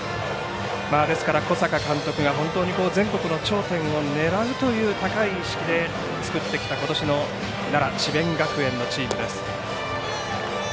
ですから小坂監督が全国の頂点を狙うという高い意識で作ってきたことしの奈良、智弁学園のチームです。